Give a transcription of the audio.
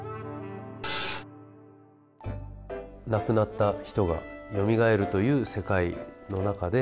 亡くなった人がよみがえるという世界の中で。